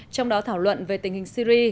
trong đó thảo luận về tình hình syri